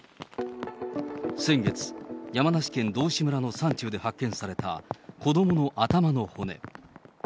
先月、山梨県道志村の山中で発見された子どもの頭の骨。